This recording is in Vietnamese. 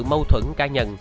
mâu thuẫn cá nhân